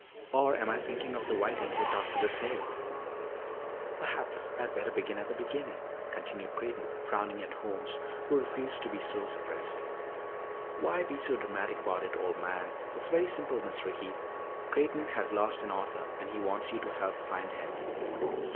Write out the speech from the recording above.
"Or am I thinking of the Whiting who talked to the Snail?" "Perhaps I had better begin at the beginning," continued Creighton, frowning at Holmes who refused to be so suppressed. "Why be so dramatic about it, old man? It's very simple, Miss Ricky. Creighton has lost an author and he wants you to help find him."